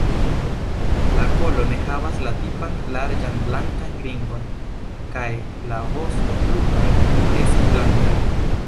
La kolo ne havas la tipan larĝan blankan ringon, kaj la vostoplumoj estas blankaj.